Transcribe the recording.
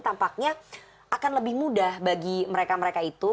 tampaknya akan lebih mudah bagi mereka mereka itu